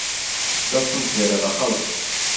دهستم فێره بهخهڵه